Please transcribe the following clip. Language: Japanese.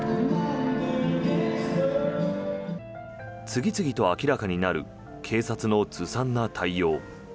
次々と明らかになる警察のずさんな対応。